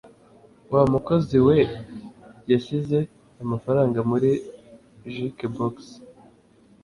Wa mukozi we yashyize amafaranga muri jukebox.